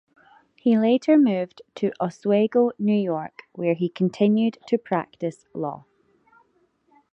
He later moved to Oswego, New York, where he continued to practice law.